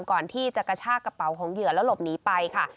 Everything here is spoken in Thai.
ก่อนที่จะกระชากกระเป๋าของเหยื่อแล้วหลบหนีไปค่ะ